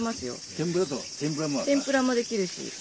天ぷらもできるし。